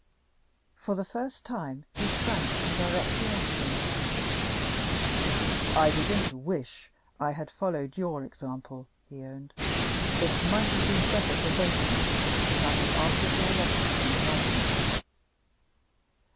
For the first time, he shrank from directly answering her. "I begin to wish I had followed your example," he owned. "It might have been better for both of us if I had answered your letter in writing."